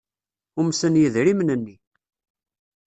Umsen yidrimen-nni.